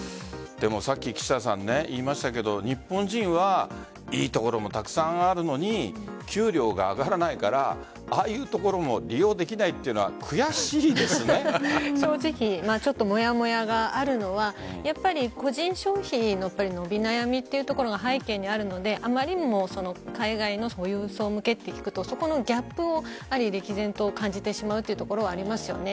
さっき言いましたが日本人はいいところもたくさんあるのに給料が上がらないからああいうところも利用できないというのは正直、もやもやがあるのはやっぱり個人消費の伸び悩みというのが背景にあるのであまりにも海外の富裕層向けって聞くとそこのギャップを歴然と感じてしまうというところはありますよね。